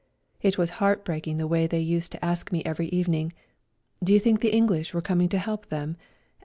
It was heartbreaking the way they used to ask me every evening, " Did I think the English were coming to help them